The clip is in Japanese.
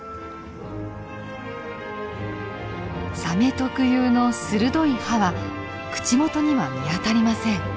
サメ特有の鋭い歯は口元には見当たりません。